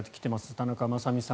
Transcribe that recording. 田中雅美さん